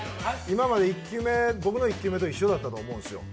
今まで１球目、僕の１球目と一緒だったと思うんですよ